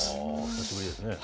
久しぶりですね。